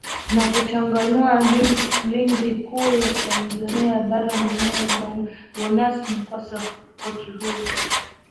na kuchanganua ligi kuu ya tanzania bara ninaye bwana bonifas mkwasa kocha huyu